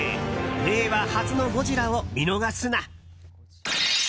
令和初の「ゴジラ」を見逃すな！